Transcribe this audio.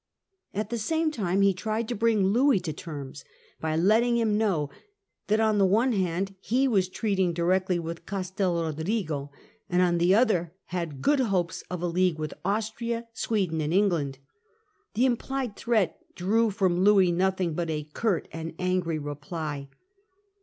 At the same time he tried to bring Louis to terms by letting him know that on the one hand he was treating directly with Castel Rodrigo, and on the other had good hopes of a league with Austria, Sweden, and England. The implied threat drew from Louis nothing but a curt and angry reply.